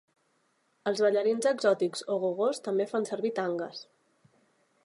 Els ballarins exòtics o gogós també fan servir tangues.